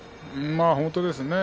本当ですね